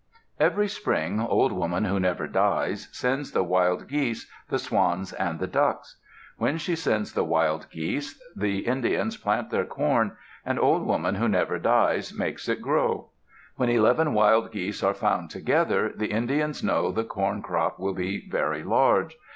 Every spring Old Woman Who Never Dies sends the wild geese, the swans, and the ducks. When she sends the wild geese, the Indians plant their corn and Old Woman Who Never Dies makes it grow. When eleven wild geese are found together, the Indians know the corn crop will be very large.